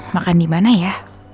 makan dimana ya